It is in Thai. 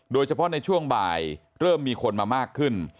โดยเฉพาะในช่วงบ่ายเริ่มมีคนมามากขึ้น